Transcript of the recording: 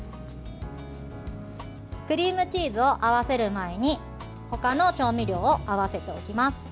クリームチーズを合わせる前にほかの調味料を合わせておきます。